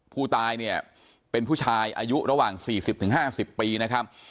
ผู้ตายเนี่ยเป็นผู้ชายอายุระหว่าง๔๐๕๐ปีนะครับ